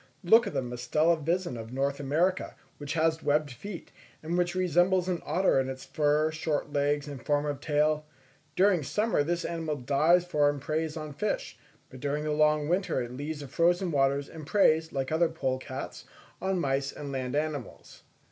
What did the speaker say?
Look at the Mustela vison of North America, which has webbed feet, and which resembles an otter in its fur, short legs, and form of tail; during summer this animal dives for and preys on fish, but during the long winter it leaves the frozen waters, and preys, like other polecats on mice and land animals.